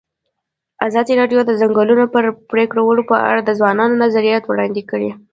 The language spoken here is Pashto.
ازادي راډیو د د ځنګلونو پرېکول په اړه د ځوانانو نظریات وړاندې کړي.